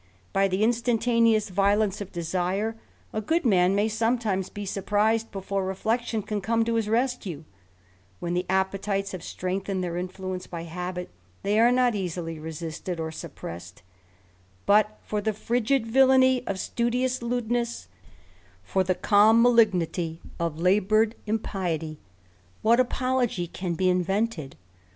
By the instantaneous violence of desire, a good man may sometimes be surprised before reflection can come to his rescue; when the appetites have strengthened their influence by habit, they are not easily resisted or suppressed ; but for the frigid villany of studious lewdness, for the calm malignity of laboured THE RAMSLER. 115 ipiety, what apology can be invented?